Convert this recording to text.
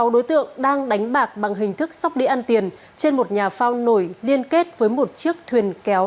một mươi sáu đối tượng đang đánh bạc bằng hình thức sóc đi ăn tiền trên một nhà phao nổi liên kết với một chiếc thuyền kéo